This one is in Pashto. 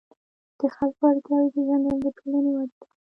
د خلکو اړتیاوې پېژندل د ټولنې وده ده.